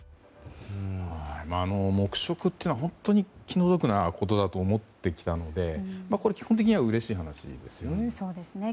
黙食というのは、本当に気の毒なことだと思ってきたのでこれ、基本的にはうれしい話ですよね。